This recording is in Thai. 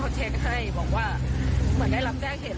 แล้ววิชัยเวทเขาเช็คให้บอกว่าเหมือนได้รับแจ้งเหตุรถชน